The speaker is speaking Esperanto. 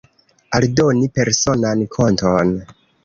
Aldoni personan konton.